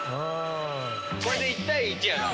これで１対１やから。